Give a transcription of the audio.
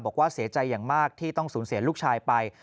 บอกว่าเสียใจอย่างมากที่ต้องสูญเสียลูกชายไป